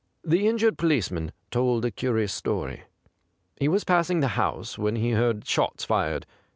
The injured policeman told a curious story. He was passing the house when he heard shots fired.